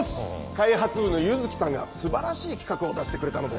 開発部の柚木さんが素晴らしい企画を出してくれたので。